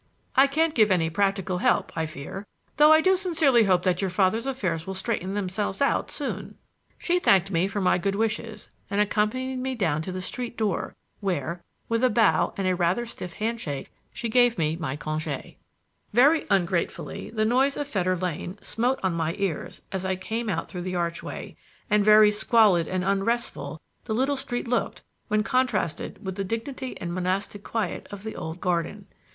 "I can't give any practical help, I fear, though I do sincerely hope that you father's affairs will straighten themselves out soon." She thanked me for my good wishes and accompanied me down to the street door, where, with a bow and a rather stiff handshake, she gave me my congé. Very ungratefully the noise of Fetter Lane smote on my ears as I came out through the archway, and very squalid and unrestful the little street looked when contrasted with the dignity and monastic quiet of the old garden.